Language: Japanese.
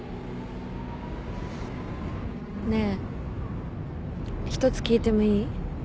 ねえ１つ聞いてもいい？